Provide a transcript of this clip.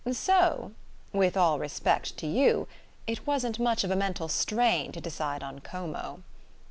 So with all respect to you it wasn't much of a mental strain to decide on Como."